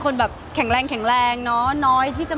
คือบอกเลยว่าเป็นครั้งแรกในชีวิตจิ๊บนะ